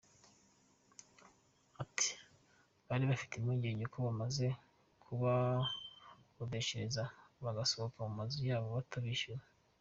Ati “Bari bafite impungenge ko bamaze kubakodeshereza bagasohoka mu mazu yabo batabishyura.